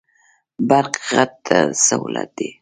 برق غټ سهولت دی.